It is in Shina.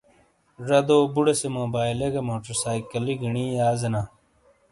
زَدو بُوڑے سے موبائلے گہ موٹر سائکلی گنی یازینا۔